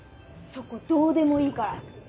そこどうでもいいから！